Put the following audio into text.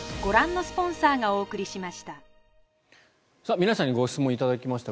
皆さんにご質問を頂きました。